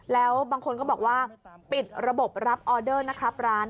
แล้วบางคนก็บอกว่าปิดระบบรับออเดอร์นะครับร้าน